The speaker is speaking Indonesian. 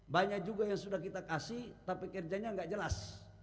banyak juga yang sudah kita kasih tapi kerjanya nggak jelas